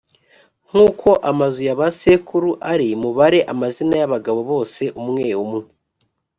nk’uko amazu ya ba sekuru ari, mubare amazina y’abagabo bose umwe umwe